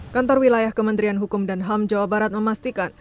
kantor wilayah kementerian hukum dan ham jawa barat memastikan